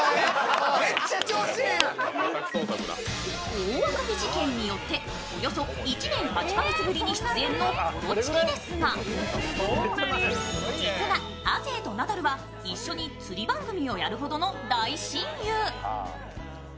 大あくび事件によっておよそ１年８か月ぶりに出演のコロチキですが、実は亜生とナダルは、一緒に釣り番組をやるほどの大親友。